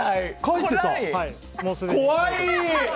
怖い！